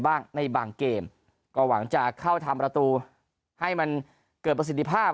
บ้างในบางเกมก็หวังจะเข้าทำประตูให้มันเกิดประสิทธิภาพ